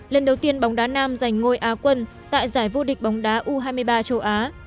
lần đầu tiên bóng đá nam giành ngôi á quân tại giải vô địch bóng đá u hai mươi ba châu á